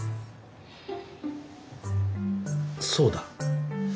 そうだ！